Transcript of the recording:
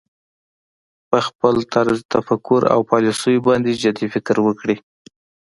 په خپل طرز تفکر او پالیسیو باندې جدي فکر وکړي